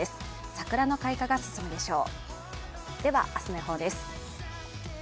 桜の開花が進むでしょう。